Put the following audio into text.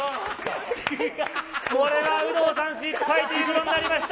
これは有働さん、失敗ということになりました。